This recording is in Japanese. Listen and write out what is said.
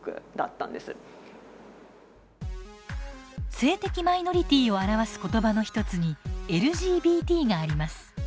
性的マイノリティーを表す言葉の一つに「ＬＧＢＴ」があります。